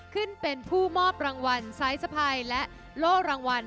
ขึ้นเป็นผู้มอบรางวัลสายสะพายและโล่รางวัล